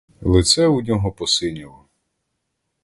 Лице у нього посиніло.